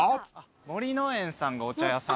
森乃園さんがお茶屋さん。